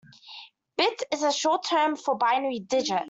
Bit is the short term for binary digit.